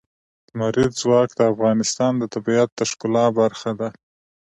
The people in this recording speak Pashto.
لمریز ځواک د افغانستان د طبیعت د ښکلا برخه ده.